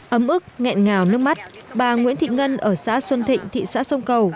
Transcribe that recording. ấm ức nghẹn ngào nước mắt bà nguyễn thị ngân ở xã xuân thịnh thị xã sông cầu